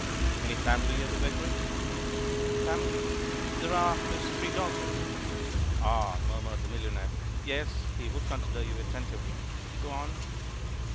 "Any family at the vicarage?" "Family? There are his three daughters." "Ah," murmured the millionaire. "Yes, he would consider you attentively. Go on.'